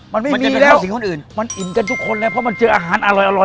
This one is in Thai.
มันไม่มีไปแล้วสิคนอื่นมันอิ่มกันทุกคนแล้วเพราะมันเจออาหารอร่อยอร่อย